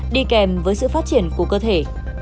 đi kèm với sự phát triển của cơ thể